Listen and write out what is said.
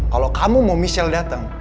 kalau kamu mau michelle datang